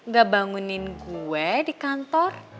gak bangunin gue di kantor